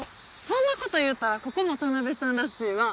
そんなこと言うたらここも田辺さんらしいわ。